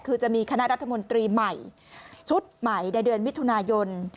คือจะมีคณะรัฐมนตรีใหม่ชุดใหม่ในเดือนมิถุนายน